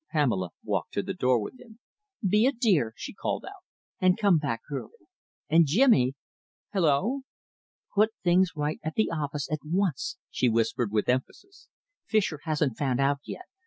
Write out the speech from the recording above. Pamela walked to the door with him. "Be a dear," she called out, "and come back early. And, Jimmy!" ... "Hullo?'" "Put things right at the office at once," she whispered with emphasis. "Fischer hasn't found out yet.